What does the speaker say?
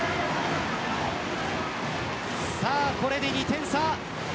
これで２点差。